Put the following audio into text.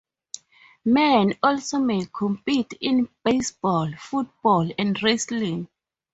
Men also may compete in baseball, football and wrestling.